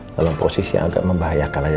dalam posisi agak membahayakan aja